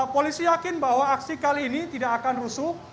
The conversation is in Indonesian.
polisi yakin bahwa aksi kali ini tidak akan rusuh